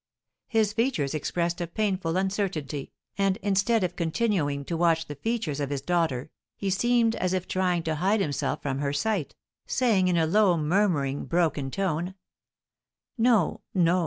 His features expressed a painful uncertainty, and, instead of continuing to watch the features of his daughter, he seemed as if trying to hide himself from her sight, saying, in a low, murmuring, broken tone: "No, no!